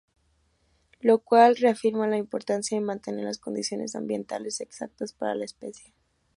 Lo cual reafirma la importancia de mantener las condiciones ambientales exactas para la especie.